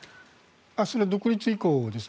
それは独立以降ですね。